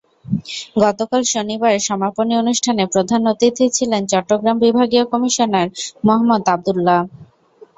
গতকাল শনিবার সমাপনী অনুষ্ঠানে প্রধান অতিথি ছিলেন চট্টগ্রাম বিভাগীয় কমিশনার মোহাম্মদ আবদুল্লাহ।